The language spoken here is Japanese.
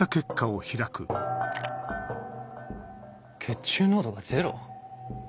血中濃度がゼロ？